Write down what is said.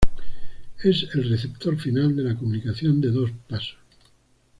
Es el receptor final de la comunicación de dos pasos.